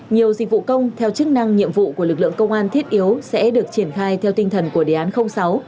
nhiều dịch vụ công theo chức năng nhiệm vụ của lực lượng công an thiết yếu sẽ được triển khai theo tinh thần của đề án sáu